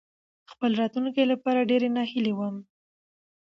خپل راتلونکې لپاره ډېرې ناهيلې وم.